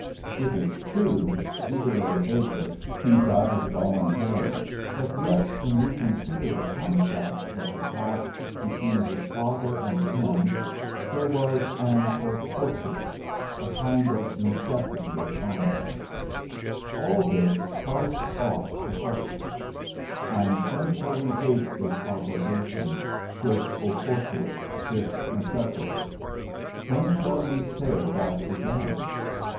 It is true, libere egit, he died voluntarily; but yet when we consider the contract that had passed between his Father and him, there was an oportuit, a kind of necessity upon him: all this Christ ought to suffer. And when shall we date this obligation, this oportuit, this necessity? When shall we say that began?